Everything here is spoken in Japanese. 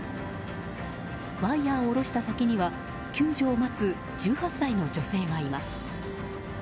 ワイヤを下した先には救助を待つ１８歳の女性がいます。